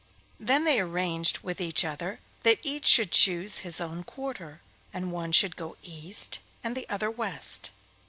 Then they arranged with each other that each should choose his own quarter, and one should go east and the other west.